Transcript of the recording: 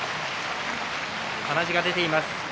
鼻血が出ています。